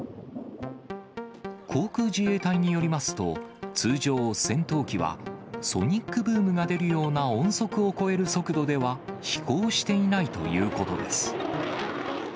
航空自衛隊によりますと、通常、戦闘機はソニックブームが出るような音速を超える速度では飛行していないということです。